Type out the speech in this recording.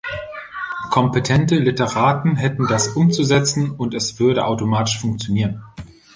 Kompetente Literaten hätten das umzusetzen und es würde „automatisch funktionieren“.